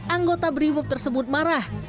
anggota brimop tersebut marah